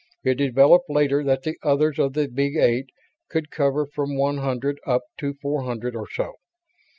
It developed later that the others of the Big Eight could cover from one hundred up to four hundred or so.